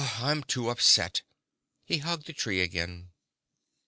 "I'm too upset." He hugged the tree again.